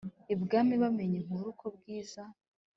ibwami bamenye inkuru ko bwiza